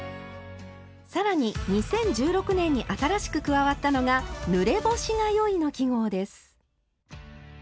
更に２０１６年に新しく加わったのが「ぬれ干しがよい」の記号です。